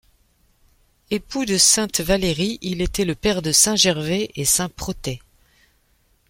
Époux de sainte Valérie, il était le père de saint Gervais et saint Protais.